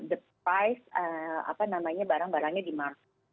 harga barang barangnya di mark